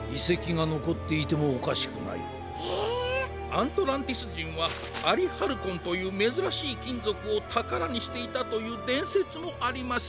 アントランティスじんはアリハルコンというめずらしいきんぞくをたからにしていたというでんせつもあります。